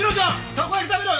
たこ焼き食べる？